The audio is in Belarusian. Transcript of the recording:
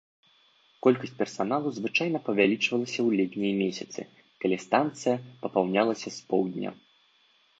Колькасць персаналу звычайна павялічвалася ў летнія месяцы, калі станцыя папаўнялася з поўдня.